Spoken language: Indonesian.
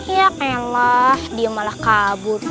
ya elah dia malah kabur